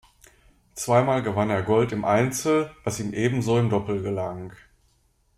Zweimal gewann er Gold im Einzel, was ihm ebenso im Doppel gelang.